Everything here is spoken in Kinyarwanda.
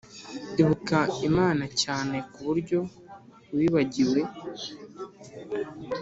ibuka imana cyane kuburyo wibagiwe.